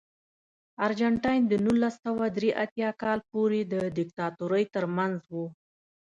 ارجنټاین د نولس سوه درې اتیا کال پورې د دیکتاتورۍ ترمنځ و.